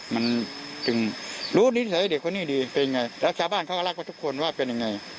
มันจึงรู้นิดเฉยเด็กคนนี้ดีเป็นไงแล้วชาวบ้านเขาก็รักกันทุกคนว่าเป็นยังไง